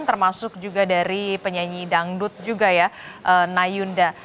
termasuk juga dari penyanyi dangdut juga ya nayunda